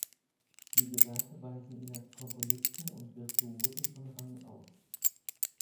Diese Werke weisen ihn als Komponisten und Virtuosen von Rang aus.